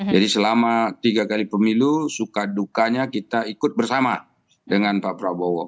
jadi selama tiga kali pemilu suka dukanya kita ikut bersama dengan pak prabowo